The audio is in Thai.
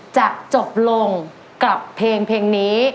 จะจบลงกับเพลงนี้